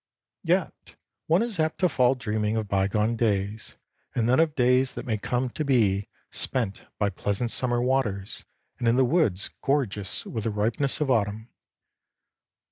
Yet one is apt to fall dreaming of bygone days, and then of days that may come to be spent by pleasant summer waters and in the woods gorgeous with the ripeness of autumn.